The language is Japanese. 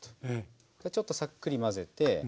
ちょっとさっくり混ぜて。